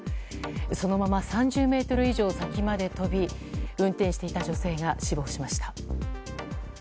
そのまま３０ｍ以上先まで飛び運転していた女性が死亡しました。